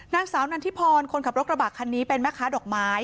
นางสาวนันทิพรคนขับรถกระบะคันนี้เป็นแม่ค้าดอกไม้